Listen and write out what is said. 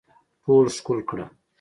ټول ښکل کړه